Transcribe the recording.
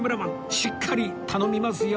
しっかり頼みますよ